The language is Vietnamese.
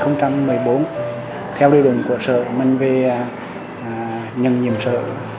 năm hai nghìn một mươi bốn theo đuôi đường của sở mình về nhân nhiệm sở